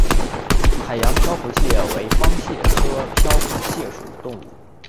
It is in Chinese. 海洋漂浮蟹为方蟹科漂浮蟹属的动物。